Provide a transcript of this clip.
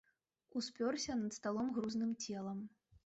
Успёрся над сталом грузным целам.